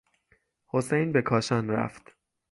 حسین به کاشان رفت.